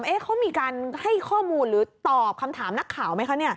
เขามีการให้ข้อมูลหรือตอบคำถามนักข่าวไหมคะ